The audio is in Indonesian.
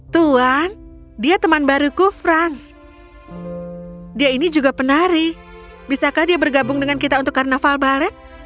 tuan dia teman baruku franz dia ini juga penari bisakah dia bergabung dengan kita untuk karnaval balet